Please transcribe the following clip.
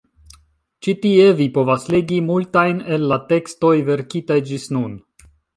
Ĉi tie vi povas legi multajn el la tekstoj verkitaj ĝis nun.